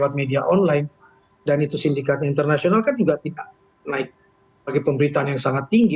lewat media online dan itu sindikat internasional kan juga tidak naik bagi pemberitaan yang sangat tinggi